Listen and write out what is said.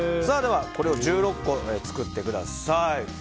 ではこれを１６個作ってください。